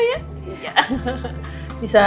biar lebih kacak